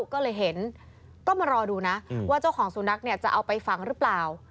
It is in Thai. ก็เลยเห็นก็มารอดูนะว่าเจ้าของสุนัขเนี่ยจะเอาไปฝังหรือเปล่า